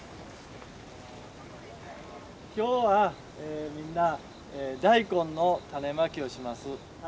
今日はみんな大根の種まきをします。